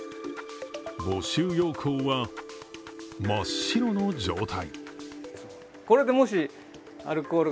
募集要項は真っ白の状態。